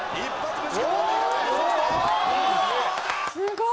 すごい！